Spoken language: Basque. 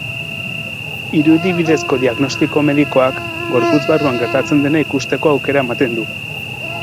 Irudi bidezko diagnostiko medikoak gorputz barruan gertatzen dena ikusteko aukera ematen du.